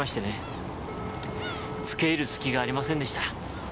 付け入る隙がありませんでした。